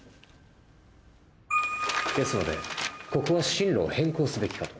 ですのでここは進路を変更すべきかと。